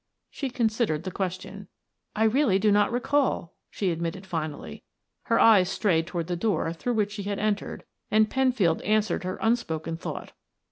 She considered the question. "I really do not recall," she admitted finally. Her eyes strayed toward the door through which she had entered, and Penfield answered her unspoken thought.